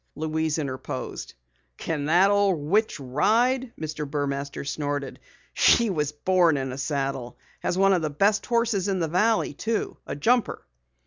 Louise interposed. "Can that old witch ride?" Mr. Burmaster snorted. "She was born in a saddle. Has one of the best horses in the valley too. A jumper."